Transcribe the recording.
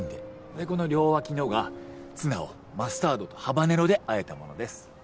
でこの両脇のがツナをマスタードとハバネロで和えたものです。